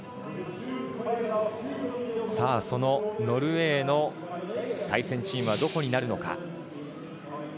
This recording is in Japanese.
ノルウェーの対戦チームはどこになるのか。